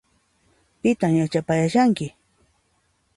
Pitan yachapayashanki?